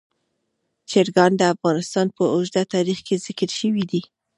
چرګان د افغانستان په اوږده تاریخ کې ذکر شوي دي.